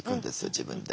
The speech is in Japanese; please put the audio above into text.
自分で。